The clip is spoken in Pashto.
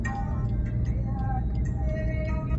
مور کیسه کوله.